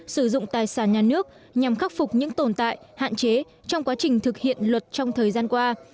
sử dụng tài sản nhà nước nhằm khắc phục những tồn tại hạn chế trong quá trình thực hiện luật trong thời gian qua